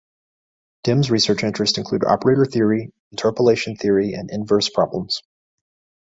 Dym's research interests include operator theory, interpolation theory, and inverse problems.